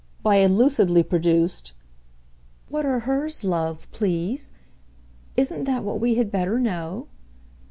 by a lucidly produced "What are hers, love, please? isn't that what we had better know?